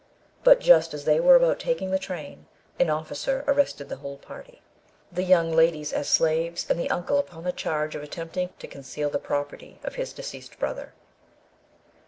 But just as they were about taking the train, an officer arrested the whole party; the young ladies as slaves, and the uncle upon the charge of attempting to conceal the property of his deceased brother.